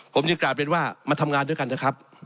ผมยังกลับเป็นว่ามาทำงานด้วยกันนะครับ